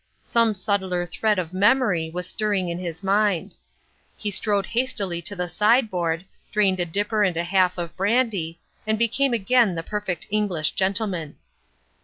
Some subtler thread of memory was stirring in his mind. He strode hastily to the sideboard, drained a dipper and a half of brandy, and became again the perfect English gentleman.